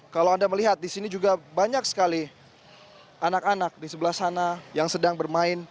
kalau anda melihat di sini juga banyak sekali anak anak di sebelah sana yang sedang bermain